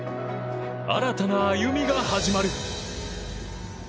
新たな歩みが始まる。